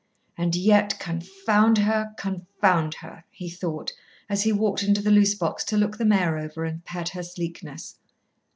"And yet, confound her confound her!" he thought, as he walked into the loose box to look the mare over and pat her sleekness.